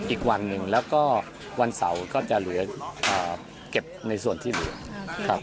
อีกวันหนึ่งแล้วก็วันเสาร์ก็จะเหลือเก็บในส่วนที่เหลือครับ